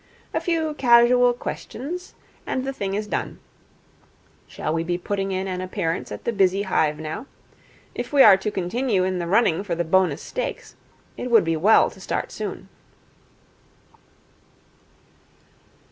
A few casual questions, and the thing is done. Shall we be putting in an appearance at the busy hive now? If we are to continue in the running for the bonus stakes, it would be well to start soon.'